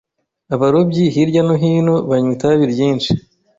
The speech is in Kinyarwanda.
Abarobyi hirya no hino banywa itabi ryinshi.